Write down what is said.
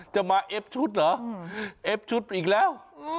จะมาเอฟชุดเหรอเอฟชุดอีกแล้ว